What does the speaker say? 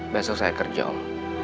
besok saya kerja om